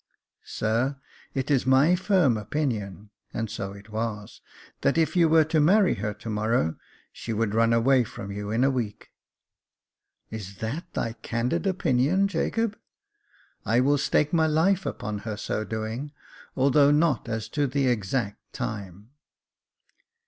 " Sir, it is my firm opinion " (and so it was), " that if you were to marry her to morrow, she would run away from you in a week." " Is that thy candid opinion, Jacob ?"" I will stake my life upon her so doing, although not as to the exact time."